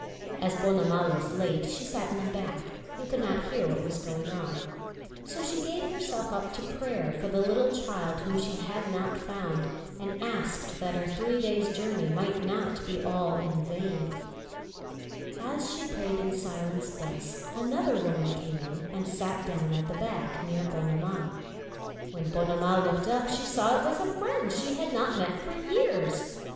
As Ponnamal was late, she sat at the back, and could not hear what was going on; so she gave herself up to prayer for the little child whom she had not found, and asked that her three days' journey might not be all in vain. [Illustration: PEBBLES.] As she prayed in silence thus, another woman came in and sat down at the back near Ponnamal. When Ponnamal looked up, she saw it was a friend she had not met for years.